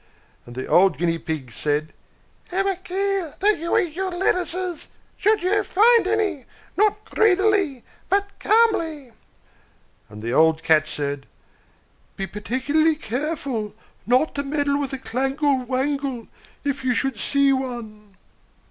And the old Guinea Pigs said, "Have a care that you eat your lettuces, should you find any, not greedily, but calmly." And the old Cats said, "Be particularly careful not to meddle with a clangle wangle if you should see one."